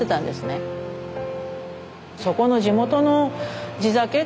そこの地元の地酒